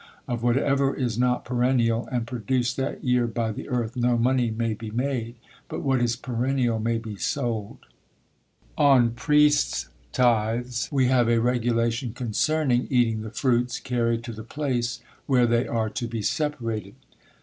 Of whatever is not perennial, and produced that year by the earth, no money may be made; but what is perennial may be sold. On priests' tithes, we have a regulation concerning eating the fruits carried to the place where they are to be separated.